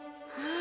あ！